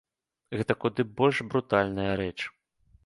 Гэта куды больш брутальная рэч.